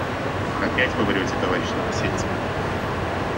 Опять Вы врете, товарищ Новосельцев.